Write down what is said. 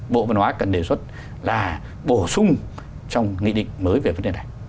bộ văn hóa cần đề xuất là bổ sung trong nghị định mới về vấn đề này